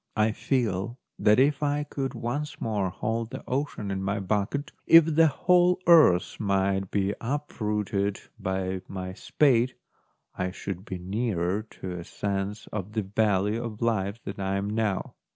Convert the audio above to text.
I feel that if I could once more hold the ocean in my bucket, if the whole earth might be uprooted by my spade, I should be nearer to a sense of the value of life than I am now.